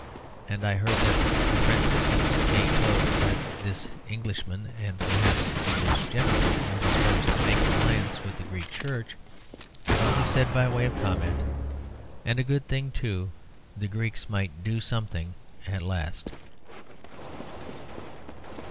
And I heard that a Franciscan, being told that this Englishman and perhaps the English generally were disposed to make an alliance with the Greek Church, had only said by way of comment, "And a good thing too, the Greeks might do something at last."